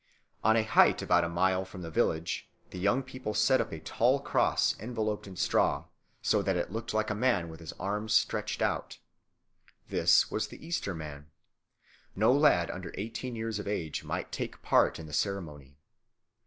On a height about a mile from the village the young fellows set up a tall cross enveloped in straw, so that it looked like a man with his arms stretched out. This was the Easter Man. No lad under eighteen years of age might take part in the ceremony.